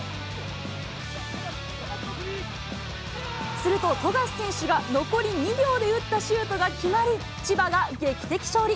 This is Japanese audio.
すると富樫選手が残り２秒で打ったシュートが決まり、千葉が劇的勝利。